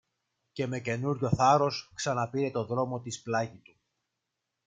Και με καινούριο θάρρος ξαναπήρε το δρόμο της πλάγι του.